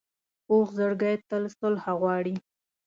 پوخ زړګی تل صلح غواړي